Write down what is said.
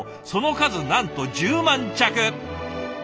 その数なんと１０万着！